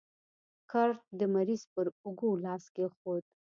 کرت د مریض پر اوږو لاس کېښود.